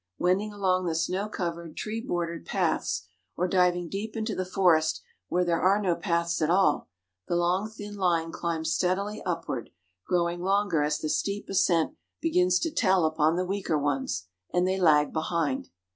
Wending along the snow covered tree bordered paths, or diving deep into the forest where there are no paths at all, the long thin line climbs steadily upward, growing longer as the steep ascent begins to tell upon the weaker ones, and they lag behind.